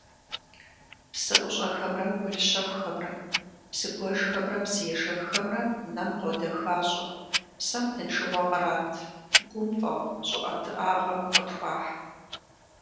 Псыӏущӏэхэмрэ гуэл щэхухэмрэ, псыгуэжхэмрэ псыежэххэмрэ нэм къодэхащӏэ, псэм тыншыгъуэ кърат, гум фӏэфӏ щӏыӏэтыӏагъэ къытхуахь.